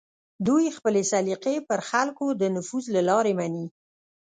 دوی خپلې سلیقې پر خلکو د نفوذ له لارې مني